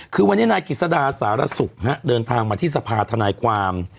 คือวันนี้นายกิจสดาสารสุขเดินทางมาที่สภาธนายความ